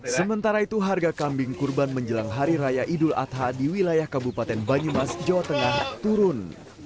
sementara itu harga kambing kurban menjelang hari raya idul adha di wilayah kabupaten banyumas jawa tengah turun